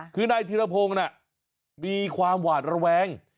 คือนายธิรพงศ์มีความหวาดระแวง